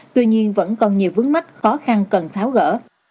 tuy nhiên vẫn còn nhiều vướng mắt khó khăn cần tháo gỡ